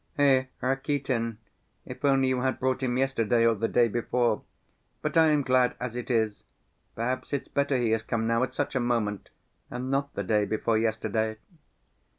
Eh, Rakitin, if only you had brought him yesterday or the day before! But I am glad as it is! Perhaps it's better he has come now, at such a moment, and not the day before yesterday."